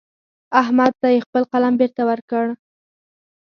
احمد ته يې خپل قلم بېرته ورکړ.